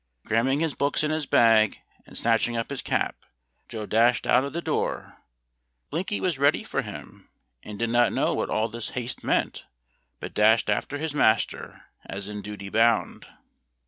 Cramming his books in his bag, and snatching up his cap, Joe dashed out of the door. Blinky was ready for him, and did not know what all this haste meant, but dashed after his master, as in duty bound.